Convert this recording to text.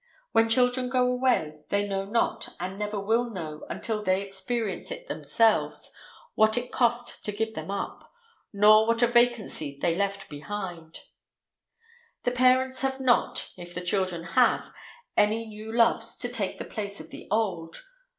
When children go away, they know not, and never will know until they experience it themselves, what it cost to give them up, nor what a vacancy they left behind. The parents have not, if the children have, any new loves to take the place of the old.